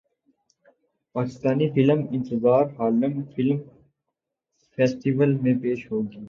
Pakistani film انتظار Harlem film festival میں پیش ہوگی